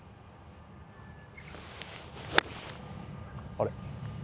あれ？